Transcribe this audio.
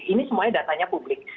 ini semuanya datanya publik